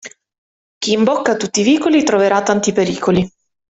Chi imbocca tutti i vicoli, troverà tanti pericoli.